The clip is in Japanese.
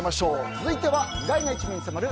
続いては意外な一面に迫る